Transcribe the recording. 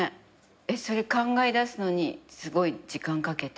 それ考え出すのにすごい時間かけて？